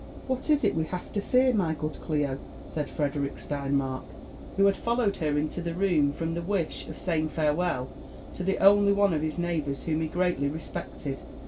" What is it we have to fear, my good Clio ?' said Frederick SteiB«» mark, who had followed her into the room from the wish of saying farewell te the only one of his neighbours whom he greatly respected.